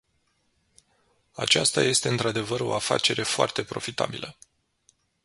Aceasta este într-adevăr o afacere foarte profitabilă.